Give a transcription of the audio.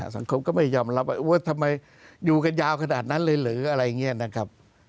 สังคมก็ไม่ยอมรับว่าทำไมอยู่กันยาวขนาดนั้นเลยหรืออะไรอย่างนี้นะครับ